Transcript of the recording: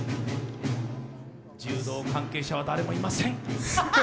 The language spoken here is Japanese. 柔道関係者は誰もいません。